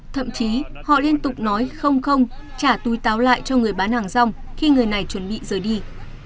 thậm chí họ liên tục nói không không trả túi táo lại cho người bán hàng rong khi người này chuẩn bị rời đi